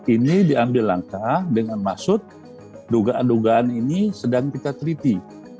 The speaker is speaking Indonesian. ini diambil langkah dengan maksud dugaan dugaan ini sedang kita teliti